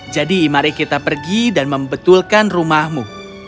jadi mari kita pergi dan membetulkan rumahmu